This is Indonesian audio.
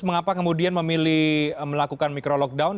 mengapa kemudian memilih melakukan micro lockdown